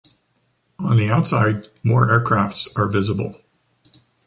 On the outside, more aircrafts are visible.